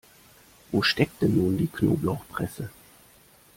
Wo steckt denn nun die Knoblauchpresse?